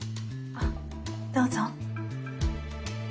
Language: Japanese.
あっどうぞ。